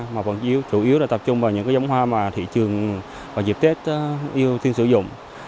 mà vẫn chủ yếu là tập trung vào những giống hoa mà thị trường vào dịp tết yêu thiên sử dụng